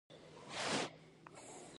څــــو لمـــن در ټولـــوې نوبت دې تېر وي.